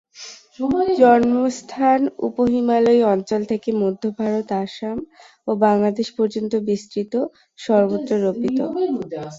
জন্মস্থান উপহিমালয়ী অঞ্চল থেকে মধ্যভারত, আসাম ও বাংলাদেশ পর্যন্ত বিস্তৃত, সর্বত্র রোপিত।